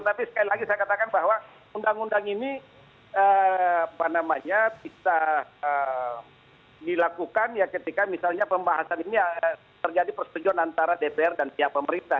tapi sekali lagi saya katakan bahwa undang undang ini bisa dilakukan ya ketika misalnya pembahasan ini terjadi persetujuan antara dpr dan pihak pemerintah